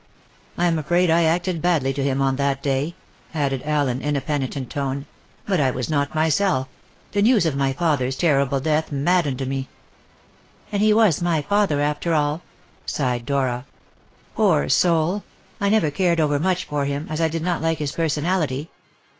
I am afraid I acted badly to him on that day," added Allen, in a penitent tone, "but I was not myself; the news of my father's terrible death maddened me." "And he was my father, after all!" sighed Dora. "Poor soul! I never cared over much for him, as I did not like his personality.